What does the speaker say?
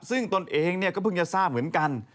ซึ่งตนเองก็เพิ่งจะทราบเหมือนกัน